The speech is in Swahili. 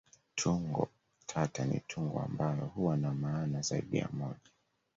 Tungo tata ni tungo ambayo huwa na maana zaidi ya moja.